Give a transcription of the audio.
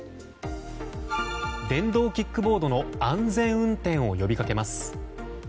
電動キックボードの安全運転を呼びかけます。